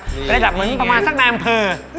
เป็นระดับเหมือนประมาณสักนายอำเภอ